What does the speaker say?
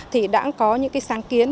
thì đã có những sáng kiến